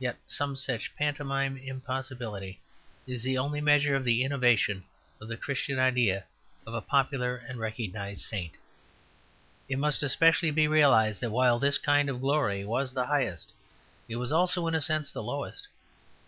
Yet some such pantomime impossibility is the only measure of the innovation of the Christian idea of a popular and recognized saint. It must especially be realized that while this kind of glory was the highest, it was also in a sense the lowest.